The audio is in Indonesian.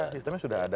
sistemnya sudah ada